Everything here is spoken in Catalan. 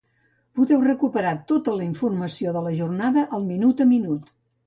Podeu recuperar tota la informació de la jornada al minut-a-minut.